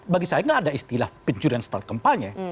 bagi saya tidak ada istilah pencurian start kampanye